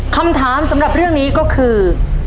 คำถามสำหรับเรื่องนี้ก็คือ